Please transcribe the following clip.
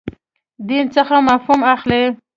دین څخه مفهوم اخلئ.